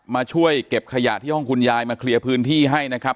มาช่วยเก็บขยะที่ห้องคุณยายมาเคลียร์พื้นที่ให้นะครับ